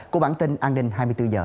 của bản tin an ninh hai mươi bốn h